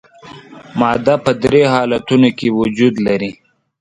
ماده په درې حالتونو کې وجود لري.